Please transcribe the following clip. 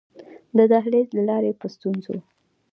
د دهلېز له لارې په ستونزو.